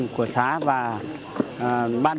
qua sự việc này